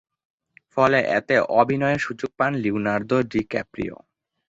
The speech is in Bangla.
ফলে এতে অভিনয়ের সুযোগ পান লিওনার্দো ডিক্যাপ্রিও।